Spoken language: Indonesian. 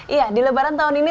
iya di lebaran tahun ini